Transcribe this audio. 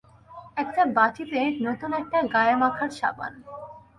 একটা বাটিতে নতুন একটা গায়ে মাখার সাবান।